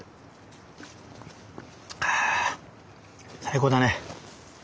あ最高だね。